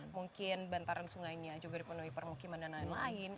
mungkin bantaran sungainya juga dipenuhi permukiman dan lain lain